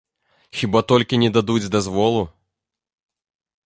Хіба толькі не дадуць дазволу?